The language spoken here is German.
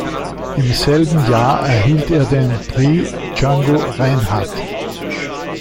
Im selben Jahr erhielt er den Prix Django Reinhardt.